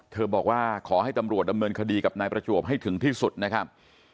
บอกว่าขอให้ตำรวจดำเนินคดีกับนายประจวบให้ถึงที่สุดนะครับ